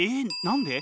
何で？